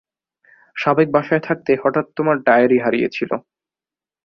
সাবেক বাসায় থাকতে হঠাৎ তোমার ডায়ারি হারিয়েছিল।